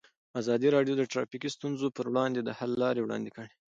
ازادي راډیو د ټرافیکي ستونزې پر وړاندې د حل لارې وړاندې کړي.